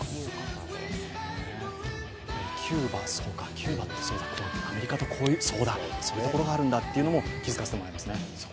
キューバってそうか、アメリカとそうだ、そういうことがあるんだって気づかせてもらいましたね。